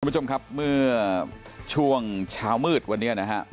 คุณผู้ชมครับเมื่อช่วงเช้ามืดวันนี้นะครับ